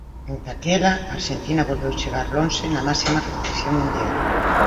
Dende aquela Arxentina volveu chegar lonxe na máxima competición mundial.